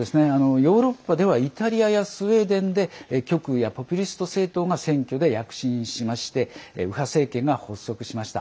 ヨーロッパではイタリアやスウェーデンで極右やポピュリスト政党が選挙で躍進しまして右派政権が発足しました。